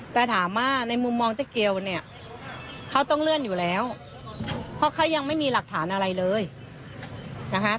แต่ถามว่าในมุมมองเจ๊เกียวเนี่ยเขาต้องเลื่อนอยู่แล้วเพราะเขายังไม่มีหลักฐานอะไรเลยนะคะ